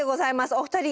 お二人。